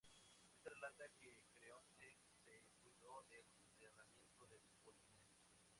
Este relata que Creonte se cuidó del enterramiento de Polinices.